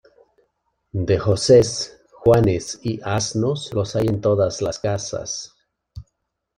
De Josés, Juanes y asnos, los hay en todas las casas.